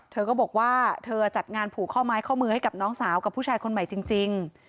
เธอก็บอกว่าเธอจัดงานผูกข้อไม้ข้อมือให้กับน้องสาวกับผู้ชายคนใหม่จริง